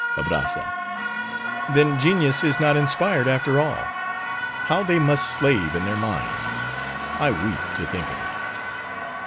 ABRAZZA—Then genius is not inspired, after all. How they must slave in their mines! I weep to think of it.